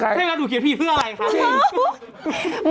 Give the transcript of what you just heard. ใช่แล้วฉันคิดพี่เพื่ออะไรค่ะ